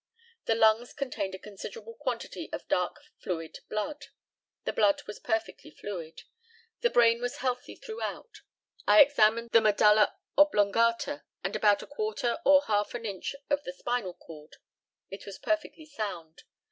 The lungs contained a considerable quantity of dark fluid blood. The blood was perfectly fluid. The brain was healthy throughout. I examined the medulla oblongata, and about a quarter or half an inch of the spinal cord. It was perfectly sound.